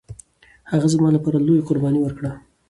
هغه زما لپاره لويه قرباني ورکړه